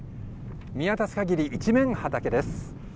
見渡すかぎり一面畑です。